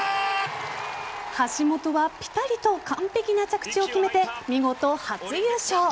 橋本はピタリと完璧な着地を決めて見事初優勝。